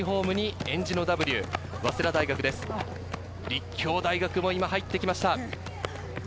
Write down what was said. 立教大学も今、入ってきました。